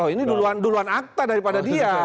oh ini duluan duluan akta daripada dia